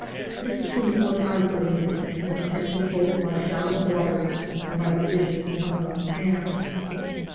This too was isolated and protected both by shallow water and by the vicious tunneling ants.